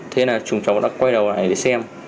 thế là chúng cháu đã quay đầu này để xem